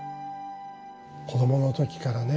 子どもの時からね